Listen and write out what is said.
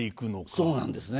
そうなんですね。